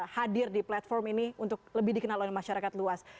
hadir di platform ini untuk lebih dikenal oleh masyarakat luas